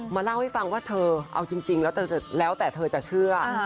มาเล่าให้ฟังว่าเธอเอาจริงแล้วแต่เธอจะเชื่อ